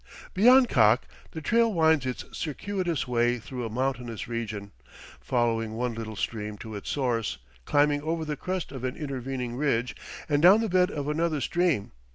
Beyond Kakh the trail winds its circuitous way through a mountainous region, following one little stream to its source, climbing over the crest of an intervening ridge and down the bed of another stream.